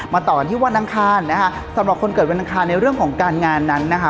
ต่อกันที่วันอังคารนะคะสำหรับคนเกิดวันอังคารในเรื่องของการงานนั้นนะคะ